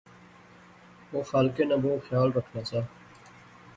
او خالقے ناں بہوں خیال رکھنا سا